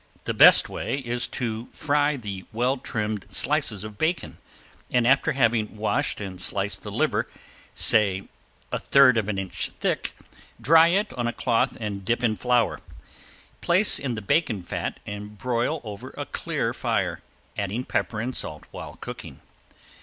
The best way is to fry the well trimmed slices of bacon, and after having washed and sliced the liver, say a third of an inch thick, dry it on a cloth and dip in flour. Place in the bacon fat and broil over a clear fire, adding pepper and salt while cooking.